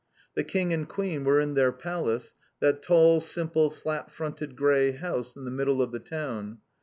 The King and Queen were in their Palace, that tall simple flat fronted grey house in the middle of the town.